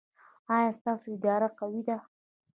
ایا ستاسو اراده قوي ده؟